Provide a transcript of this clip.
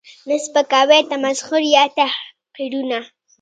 ، نه سپکاوی، تمسخر یا تحقیرونه